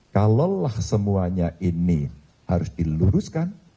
kalaulah semuanya ini harus diluruskan